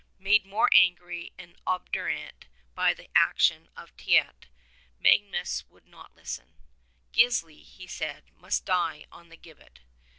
Made more angry and obdurate by the action of Teit, Mag nus would not listen. Gisli, he said, must die on the gibbet.